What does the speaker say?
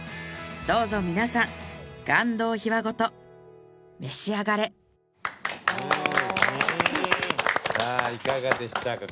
どうぞ皆さん感動秘話ごと召し上がれさぁいかがでしたか？